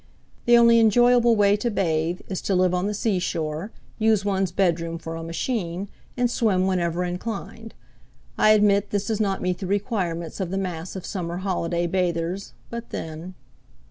The only enjoyable way to bathe is to live on the seashore, use one's bedroom for a machine, and swim whenever inclined. I admit this does not meet the requirements of the mass of summer holiday bathers, but, then